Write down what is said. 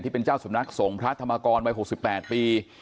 ที่เป็นเจ้าสำนักสงภ์พระธรรมกรวัยหกสิบแปดปี